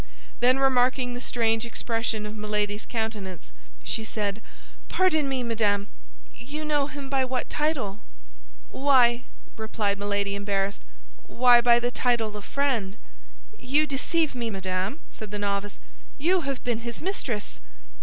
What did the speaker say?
Then remarking the strange expression of Milady's countenance, she said, "Pardon me, madame; you know him by what title?" "Why," replied Milady, embarrassed, "why, by the title of friend." "You deceive me, madame," said the novice; "you have been his mistress!"